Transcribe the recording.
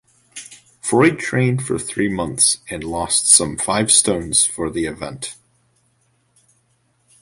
Freud trained for three months and lost some five stones for the event.